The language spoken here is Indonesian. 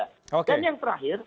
dan yang terakhir